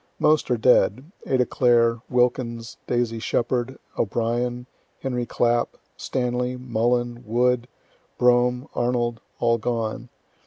Most are dead Ada Clare, Wilkins, Daisy Sheppard, O'Brien, Henry Clapp, Stanley, Mullin, Wood, Brougham, Arnold all gone.